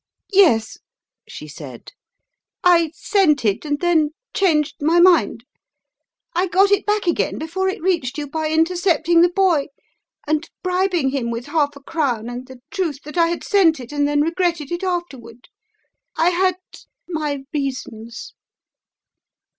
"Yes," she said. "I sent it, and then — changed my mind. I got it back again before it reached you by intercepting the boy and bribing him with half a crown and the truth that I had sent it and then regretted it afterward. I had — my rea sons